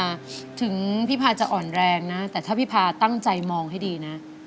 ถึงพี่พาจะอ่อนแรงนะแต่ถ้าพี่พาตั้งใจมองให้ดีนะ